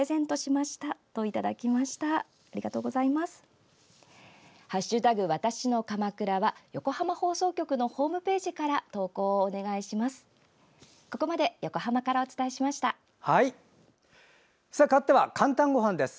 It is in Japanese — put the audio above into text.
「＃わたしの鎌倉」は横浜放送局のホームページから投稿をお願いします。